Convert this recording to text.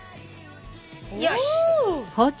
よし！